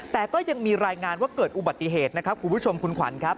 แต่ก็ยังมีรายงานว่าเกิดอุบัติเหตุนะครับคุณผู้ชมคุณขวัญครับ